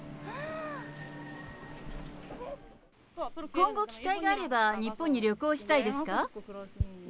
今後、機会があれば日本に旅行したいですか？